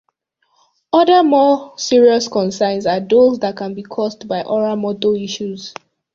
Other more serious concerns are those that can be caused by oral-motor issues.